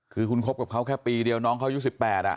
อ๋อดูด้วยกันตั้งแต่๑๗หรอ